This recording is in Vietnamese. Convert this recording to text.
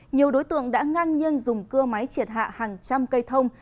nhiều đối tượng đã ngang nhân dùng cưa máy triệt hạ hàng trăm cây thông